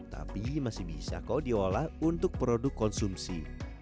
tapi masih bisa kok diolah untuk produk konsumsi